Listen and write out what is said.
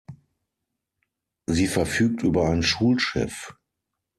Sie verfügt über ein Schulschiff.